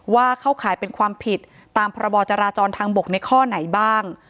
เข้าข่ายเป็นความผิดตามพรบจราจรทางบกในข้อไหนบ้าง